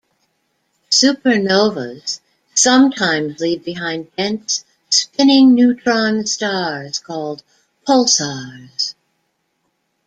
Supernovas sometimes leave behind dense spinning neutron stars called pulsars.